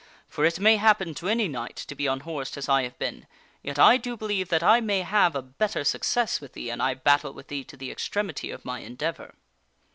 For it may happen to any knight to be unhorsed as I have been, yet I do believe that I may have a better success with thee an I battle with thee to the extremity of my endeavor."